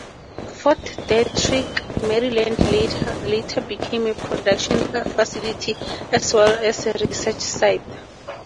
Fort Detrick, Maryland later became a production facility as well as a research site.